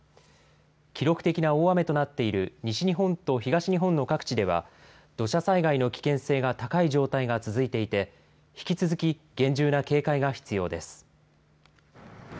記録的な大雨となっている西日本と東日本の各地では土砂災害の危険性が高い状態が続いていて引き続き厳重な警戒が必要です。